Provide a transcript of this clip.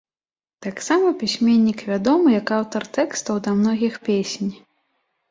Таксама пісьменнік вядомы як аўтар тэкстаў да многіх песень.